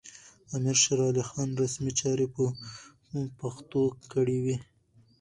امیر شېرعلي خان رسمي چارې په پښتو کړې وې.